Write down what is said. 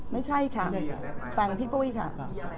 ไม่ใช่ค่ะฟังผู้น้ำพี่ปุ๊ยค่ะ